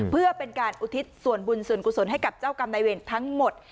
เพื่อเป็นการอุทิศส่วนบุญส่วนกุศลให้กับเจ้ากรรมนายเวรทั้งหมด